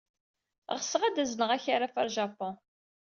Ɣseɣ ad azneɣ akaraf ɣer Japun.